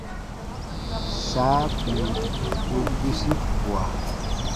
Saa bii u bwisi kua.